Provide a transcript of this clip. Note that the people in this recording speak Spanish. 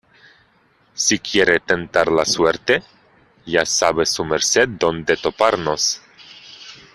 si quiere tentar la suerte, ya sabe su merced dónde toparnos.